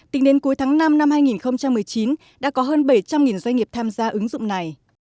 tính đến cuối tháng năm năm hai nghìn một mươi chín đã có hơn bảy trăm linh doanh nghiệp tham gia ứng dụng này